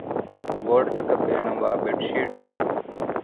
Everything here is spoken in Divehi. ވޯޑްތަކަށް ބޭނުންވާ ބެޑްޝީޓް ހޯދުމަށް